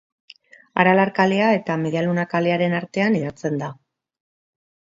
Aralar kalea eta Media Luna kalearen artean hedatzen da.